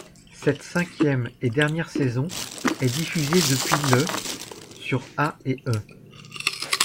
Cette cinquième et dernière saison est diffusée depuis le sur A&E.